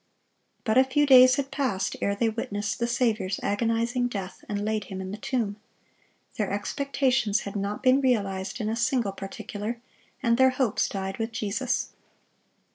But a few days had passed ere they witnessed the Saviour's agonizing death, and laid Him in the tomb. Their expectations had not been realized in a single particular, and their hopes died with Jesus.